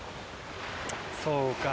そうか。